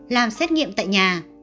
làm xét nghiệm tại nhà